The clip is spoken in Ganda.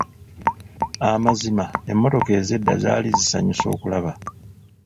Amazima emmotoka ez'edda zaali zisanyusa okulaba.